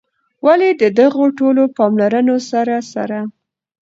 ولي د دغو ټولو پاملرونو سره سره